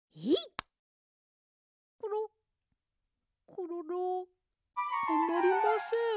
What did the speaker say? コロロ？はまりません。